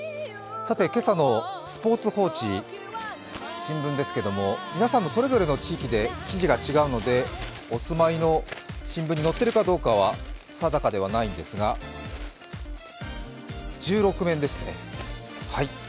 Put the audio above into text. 今朝のスポーツ報知、新聞ですけれども、皆さんそれぞれの地域で記事が違うのでお住まいの新聞に載っているかどうかは定かではないのですが、１６面ですね。